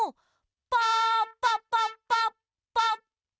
パパパパッパッパ。